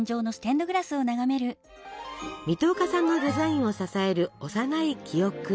水戸岡さんのデザインを支える幼い記憶。